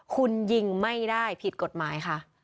คุณยิงไม่ได้ผิดกฎหมายค่ะ